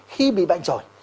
khi bị bệnh rồi